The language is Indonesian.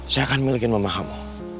saya akan milikin mamah kamu